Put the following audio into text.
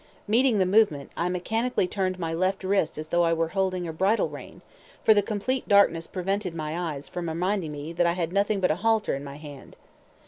Meeting the movement, I mechanically turned my left wrist as though I were holding a bridle rein, for the complete darkness prevented my eyes from reminding me that I had nothing but a halter in my hand.